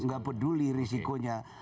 tidak peduli risikonya